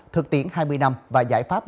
thực tiễn hai mươi năm và giải pháp